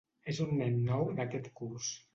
És un nen nou d'aquest curs.